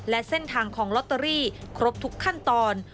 และเส้นทางของลอตเตอรี่ครบทุกขั้นตอน